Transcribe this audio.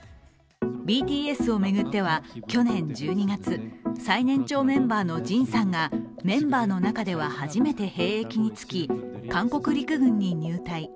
ＢＴＳを巡っては去年１２月、最年長メンバーのＪＩＮさんがメンバーの中では初めて兵役に就き、韓国陸軍に入隊。